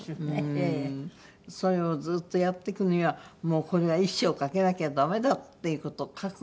それをずっとやっていくにはもうこれは一生懸けなきゃダメだっていう事を覚悟して。